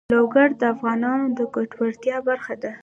لوگر د افغانانو د ګټورتیا برخه ده.